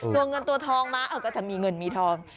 ตัวเงินตัวทองมาก็จะมีเงินมีทอง